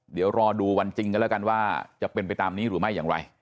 เดี๋ยวรอดูวันจริงกันแล้วกันว่าจะเป็นไปตามนี้หรือไม่อย่างไร